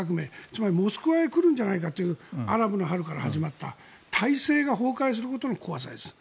つまり、モスクワへ来るんじゃないかというアラブの春から始まった体制が崩壊することの怖さです。